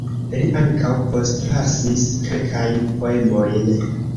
Li ankaŭ postlasis kelkajn poemojn.